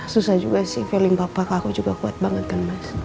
susah juga sih feeling papa ke aku juga kuat banget kan mas